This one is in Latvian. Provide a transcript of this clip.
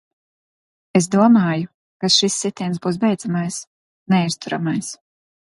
Es domāju, ka šis sitiens būs beidzamais, neizturamais.